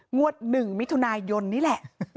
งวด๑มิถุนายนนี่แหละ